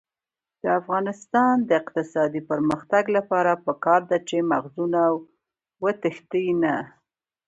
د افغانستان د اقتصادي پرمختګ لپاره پکار ده چې مغزونه وتښتي نه.